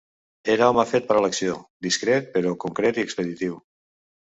Era home fet per a l'acció, discret, però concret i expeditiu.